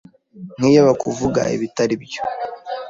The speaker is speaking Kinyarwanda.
Nk’iyo bakuvuga ibitari byo